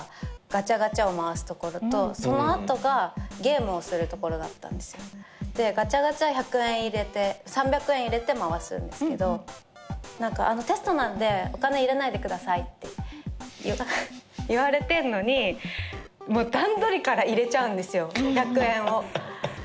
ガチャガチャを回すところとそのあとがゲームをするところだったんですよでガチャガチャ１００円入れて３００円入れて回すんですけどうんうん何かあのテストなんでお金入れないでくださいって言われてんのにもう段取りから入れちゃうんですよ